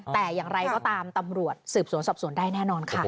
แต่อย่างไรก็ตามตำรวจสืบสวนสอบสวนได้แน่นอนค่ะ